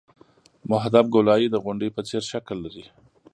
محدب ګولایي د غونډۍ په څېر شکل لري